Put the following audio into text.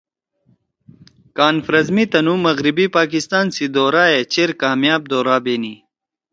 کانفرنس می تنُو مغربی پاکستان سی دورا ئے چیر کامیاب دورہ بینی